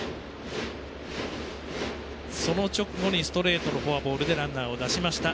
その直後にストレートのフォアボールでランナーを出しました。